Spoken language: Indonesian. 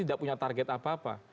tidak punya target apa apa